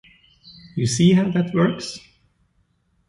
You see how that works?